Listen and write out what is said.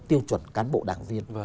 tiêu chuẩn cán bộ đảng viên